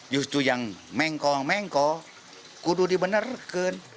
justru yang mengko mengko kudu dibenarkan